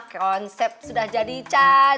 konsep sudah jadi can